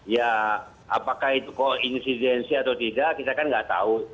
ya apakah itu kok insidensi atau tidak kita kan nggak tahu